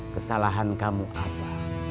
kesalahan kamu ada